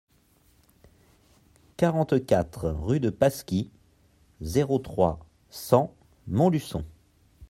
quarante-quatre rue de Pasquis, zéro trois, cent Montluçon